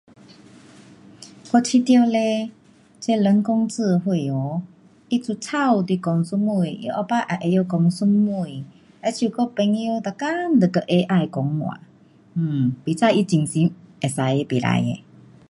我觉得嘞，这人工智慧哦，它就抄你讲什么，它下次也会晓讲什么，好像我朋友每天都跟 AI 讲话，um 不知他精神可以的不可的。